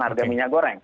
harga minyak goreng